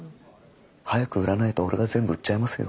早く売らないと俺が全部売っちゃいますよ。